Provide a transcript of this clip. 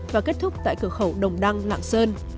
và kết thúc tại cửa khẩu đồng đăng lạng sơn